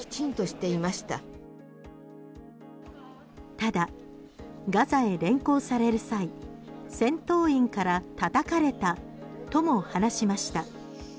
ただ、ガザへ連行される際戦闘員から叩かれたとも話しました。